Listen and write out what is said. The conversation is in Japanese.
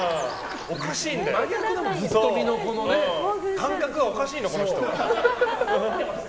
感覚がおかしいのよ、この人。